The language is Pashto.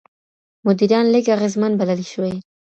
مدیران لږ اغېزمن بلل شوي.